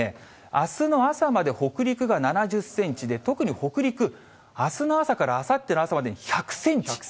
あすの朝まで北陸が７０センチで、特に北陸、あすの朝からあさっての朝までに１００センチ。